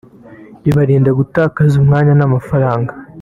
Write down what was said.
ribarinda gutakaza umwanya n’amafaranga